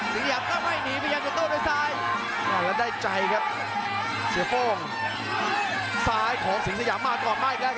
สิงสยามก็ไม่หนีพยายามจะโต้โดยซ้าย